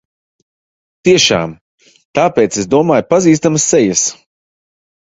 Tiešām! Tāpēc es domāju pazīstamas sejas.